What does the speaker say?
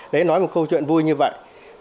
đấy nói một câu chuyện vui như vậy